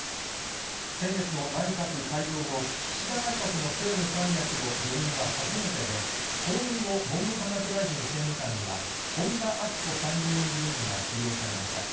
先月の内閣改造後、岸田内閣の政務三役の辞任は初めてで、後任の文部科学大臣政務官には、本田顕子参議院議員が起用されました。